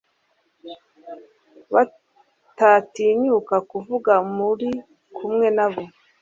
batatinyuka kuvuga muri kumwe nabo